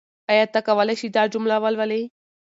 آیا ته کولای شې دا جمله ولولې؟